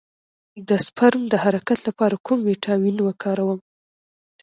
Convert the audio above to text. د سپرم د حرکت لپاره کوم ویټامین وکاروم؟